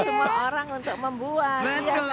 semua orang untuk membuat